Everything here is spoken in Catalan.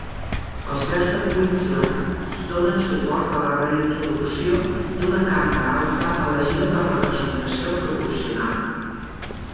Els Verds de Queensland donen suport a la reintroducció d'una cambra alta elegida per representació proporcional.